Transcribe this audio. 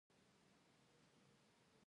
د مراجعینو کارونه ژر خلاصیږي؟